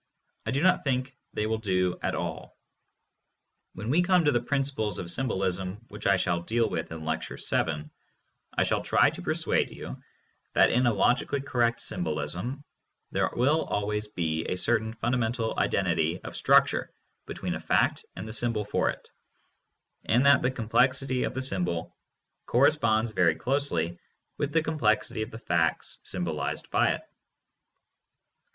I do not think they will do at all. When we come to the principles of symbolism which I shall deal with in Lecture VII, I shall try to persuade you that in a logically correct symbolism there will always be a certain fundamental identity of structure between a fact and the symbol for it ; and that the complexity of the symbol corresponds very closely with the complexity of the facts symbolized by it.